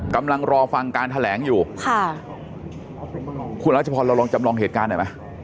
กำลังรอฟังการแถลงอยู่ค่ะคุณรัชพรเราลองจำลองเหตุการณ์หน่อยไหม